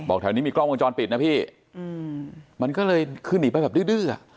แถวนี้มีกล้องวงจรปิดนะพี่มันก็เลยคือหนีไปแบบดื้ออ่ะ